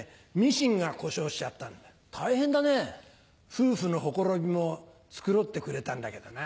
夫婦のほころびも繕ってくれたんだけどな。